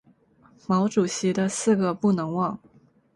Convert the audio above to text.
毛主席的四个不能忘！